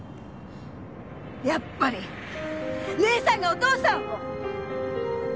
やっぱり姉さんがお父さんを。